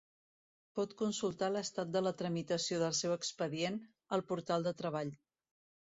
Pot consultar l'estat de la tramitació del seu expedient al portal de Treball.